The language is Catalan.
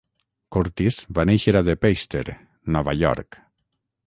Curtis va néixer a De Peyster, Nova York.